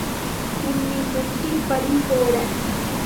உன்னை வெட்டிப் பலி போட.